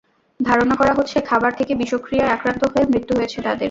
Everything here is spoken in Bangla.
ধারণা করা হচ্ছে, খাবার থেকে বিষক্রিয়ায় আক্রান্ত হয়ে মৃত্যু হয়েছে তাদের।